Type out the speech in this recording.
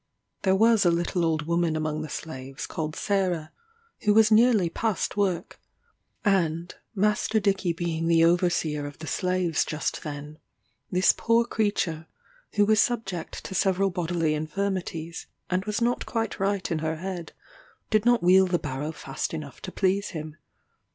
There was a little old woman among the slaves called Sarah, who was nearly past work; and, Master Dickey being the overseer of the slaves just then, this poor creature, who was subject to several bodily infirmities, and was not quite right in her head, did not wheel the barrow fast enough to please him.